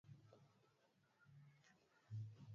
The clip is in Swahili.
ee aa aa aondoke wataanza labda